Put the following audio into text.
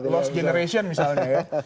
lost generation misalnya ya